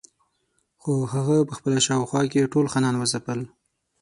خو هغه په خپله شاوخوا کې ټول خانان وځپل.